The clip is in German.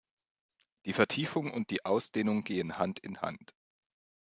Die Vertiefung und die Ausdehnung gehen Hand in Hand.